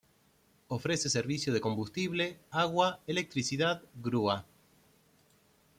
Ofrece servicio de Combustible, Agua, Electricidad, Grúa.